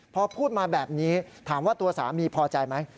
พอพูดมาแบบนี้ถามว่าตัวสามีพอใจไหม